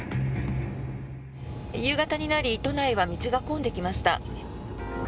夕方になり都内は道が混んできました。